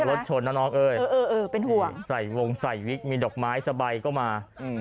ลดโชนนะน้องเอิ้นใส่วงใส่วิกมีดอกไม้สบายก็มา